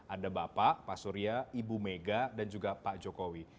ada bapak pak surya ibu mega dan juga pak jokowi